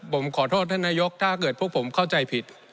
ผมขอโทษท่านนายกถ้าเกิดพวกผมเข้าใจผิด